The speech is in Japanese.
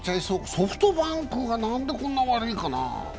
ソフトバンクが何でこんな悪いかな？